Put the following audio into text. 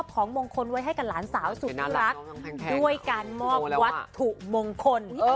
ของมงคลไว้ให้กับหลานสาวสุดที่รักด้วยการมอบวัตถุมงคล